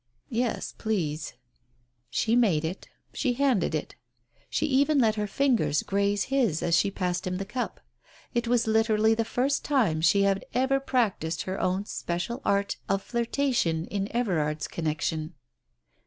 "Yes, please." She made it. She handed it. She even let her fingers graze his as she passed him the cup. It was literally the first time she had ever practised her own special art of flirtation in Everard's connection.